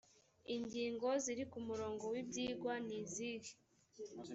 ingingo ziri ku murongo w ibyigwa nizihe